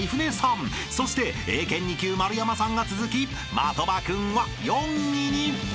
［そして英検２級丸山さんが続き的場君は４位に］